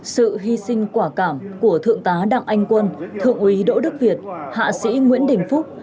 sự hy sinh quả cảm của thượng tá đặng anh quân thượng úy đỗ đức việt hạ sĩ nguyễn đình phúc